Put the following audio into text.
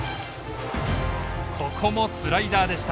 ここもスライダーでした。